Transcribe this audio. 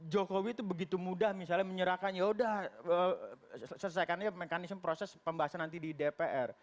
jokowi itu begitu mudah misalnya menyerahkan yaudah selesaikan aja mekanisme proses pembahasan nanti di dpr